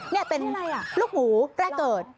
นี่เป็นลูกหมูแรกเกิด